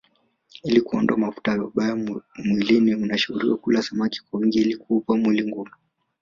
Ili kuondoa mafuta mabaya mwilini unashauriwa kula samaki kwa wingi ili kuupa mwili nguvu